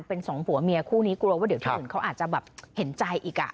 เป็นสองผัวเมียคู่นี้กลัวว่าเดี๋ยวที่อื่นเขาอาจจะแบบเห็นใจอีกอ่ะ